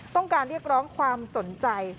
ต้องการเรียกร้องความสนใจ